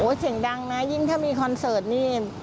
เสียงดังนะยิ่งถ้ามีคอนเสิร์ตนี่